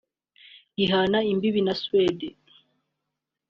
gihana imbibi na Suède